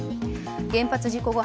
原発事故後